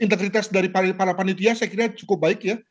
integritas dari para panitia saya kira cukup baik ya